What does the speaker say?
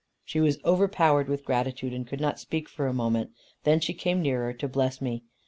She was overpowered with gratitude, and could not speak for a moment. Then she came nearer, to bless me.